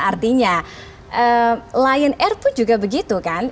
artinya lion air pun juga begitu kan